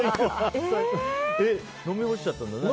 飲み干しちゃったんだね